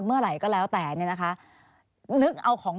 สวัสดีครับทุกคน